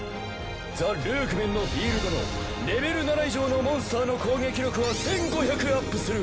ザ・ルークメンのフィールドのレベル７以上のモンスターの攻撃力は１５００アップする。